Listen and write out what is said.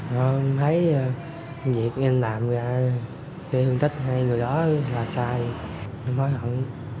rồi thấy công việc em làm ra cái hương tích hai người đó là sai em hối hận